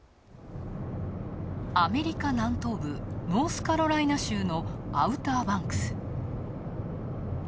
アメリカ南東部、ノースカロライナ州のアウターバンクス。